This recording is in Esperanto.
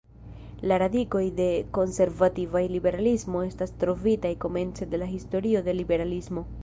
La radikoj de konservativa liberalismo estas trovitaj komence de la historio de liberalismo.